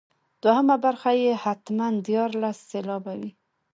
دوهمه برخه یې حتما دیارلس سېلابه وي.